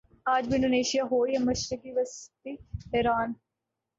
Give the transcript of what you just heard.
آج بھی انڈونیشیا ہو یا مشرق وسطی ایران